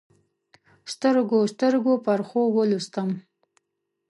سترګو، سترګو پرخو ولوستم